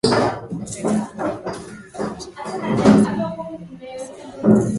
mwaka elfu mbili na mbili Nchi yenyewe hasa ni ya kidemokrasia na